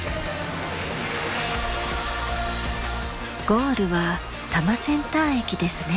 ゴールは多摩センター駅ですね。